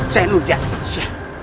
saya nur jatwi